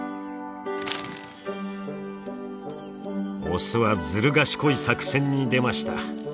オスはずる賢い作戦に出ました。